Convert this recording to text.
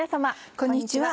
こんにちは。